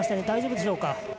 大丈夫でしょうか。